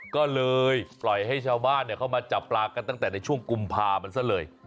ก็เลยปล่อยให้ชาวบ้านเข้ามาจับปลากันตั้งแต่ในช่วงกุมภามันซะเลย